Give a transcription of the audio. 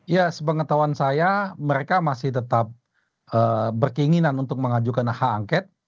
ya sepengetahuan saya mereka masih tetap berkeinginan untuk mengajukan hak angket